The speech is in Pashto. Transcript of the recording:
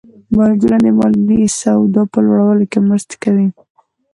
بانکونه د مالي سواد په لوړولو کې مرسته کوي.